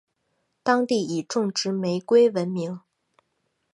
当地以种植玫瑰闻名。